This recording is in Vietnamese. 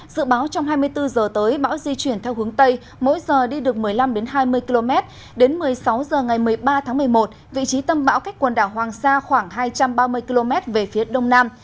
dự báo trong hai mươi bốn h tới bão di chuyển theo hướng tây mỗi giờ đi được một mươi năm hai mươi km đến một mươi sáu h ngày một mươi ba tháng một mươi một vị trí tâm bão cách quần đảo hoàng sa khoảng hai trăm ba mươi km về phía đông nam